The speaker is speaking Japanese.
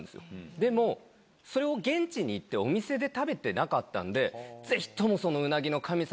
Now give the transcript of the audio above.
でもそれを現地に行ってお店で食べてなかったんでぜひともその。